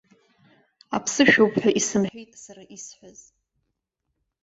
Аԥсышәоуп ҳәа исымҳәеит сара исҳәаз.